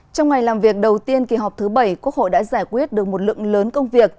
trong ngày làm việc đầu tiên kỳ họp thứ bảy quốc hội đã giải quyết được một lượng lớn công việc